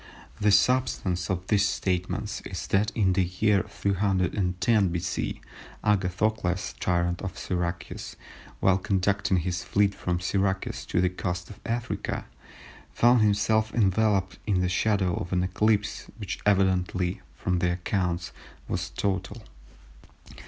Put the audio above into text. The substance of these statements is that in the year 310 B.C. Agathocles, Tyrant of Syracuse, while conducting his fleet from Syracuse to the Coast of Africa, found himself enveloped in the shadow of an eclipse, which evidently, from the accounts, was total.